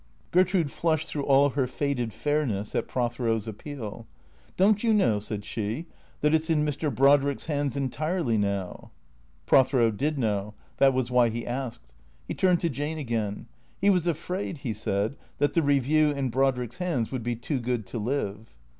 Gertrude flushed through all her faded fairness at Prothero's appeal. " Don't you know," said she, " that it 's in Mr. Brodrick's hands entirely now ?" Prothero did know. That was why he asked. He turned to Jane again. He was afraid, he said, that the Eeview, in Brod rick's hands, would be too good to live.